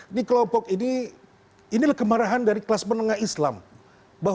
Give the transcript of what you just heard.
ini kelompok ini ini kemarahan dari kelas masyarakat